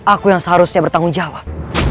aku yang seharusnya bertanggung jawab